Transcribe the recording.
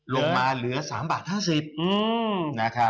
ลงมาเหลือ๓๕๐บาท